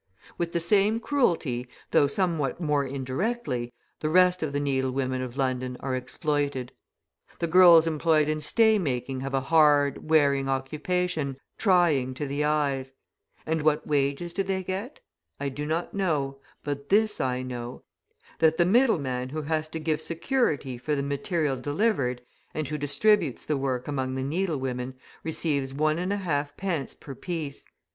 With the same cruelty, though somewhat more indirectly, the rest of the needle women of London are exploited. The girls employed in stay making have a hard, wearing occupation, trying to the eyes. And what wages do they get? I do not know; but this I know, that the middle man who has to give security for the material delivered, and who distributes the work among the needle women, receives 1.5d. per piece.